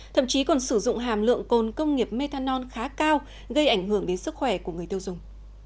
thậm chí còn sử dụng hàm lượng côn công nghiệp methanol khá cao gây ảnh hưởng đến sức khỏe của người tiêu dùng